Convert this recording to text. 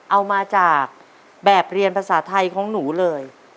เอามาจากแบบเรียนภาษาไทยของหนูเลย